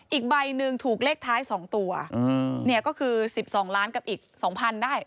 อีกใบหนึ่งถูกเล็กท้ายสองตัวอืมเนี่ยก็คือสิบสองล้านกับอีกสองพันได้